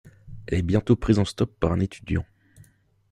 Elle est bientôt prise en stop par un étudiant.